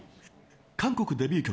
韓国デビュー曲